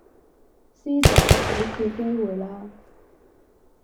師姐,畀次機會啦